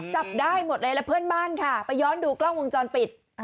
จับได้หมดเลยแล้วเพื่อนบ้านค่ะไปย้อนดูกล้องวงจรปิด